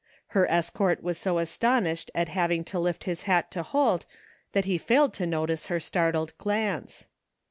Her escort was so astonished at having to lift his hat to Holt that he failed to notice her startled glance.